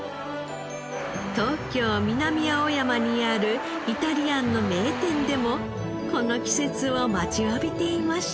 東京南青山にあるイタリアンの名店でもこの季節を待ちわびていました。